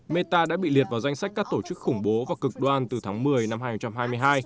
meta đã bị liệt vào danh sách các tổ chức khủng bố và cực đoan từ tháng một mươi năm hai nghìn hai mươi hai